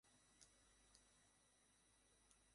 নিঃসাড় হয়ে যায় আমার দেহ, আমার শিরা-উপশিরা।